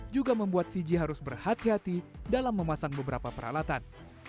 juga membuat cg harus berhati hati dalam memasang beberapa peralatan